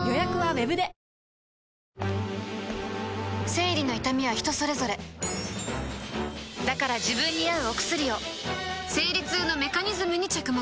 生理の痛みは人それぞれだから自分に合うお薬を生理痛のメカニズムに着目